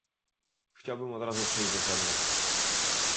Chciałbym od razu przejść do sedna